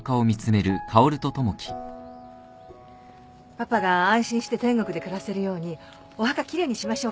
パパが安心して天国で暮らせるようにお墓奇麗にしましょうか。